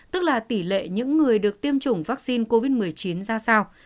tức là tỷ lệ những người được tiêm chủng vaccine covid một mươi chín ra sao